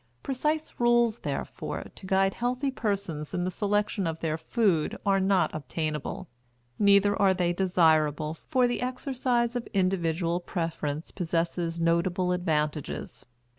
Precise rules, therefore, to guide healthy persons in the selection of their food are not obtainable; neither are they desirable, for the exercise of individual preference possesses notable advantages.